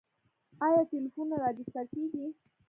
آیا ټلیفونونه راجستر کیږي؟